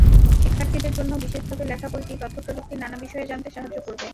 শিক্ষার্থীদের জন্য বিশেষভাবে লেখা বইটি তথ্যপ্রযুক্তির নানা বিষয়ে জানতে সাহায্য করবে।